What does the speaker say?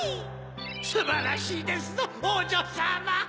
すばらしいですぞおうじょさま。